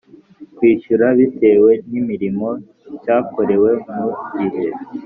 kwishyura bitewe n imirimo cyakorewe mu gihe